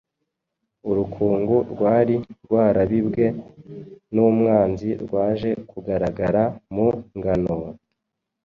urukungu rwari rwarabibwe n’umwanzi rwaje kugaragara mu ngano,